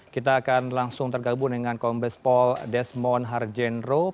kita akan langsung tergabung dengan kombes pol desmond harjenro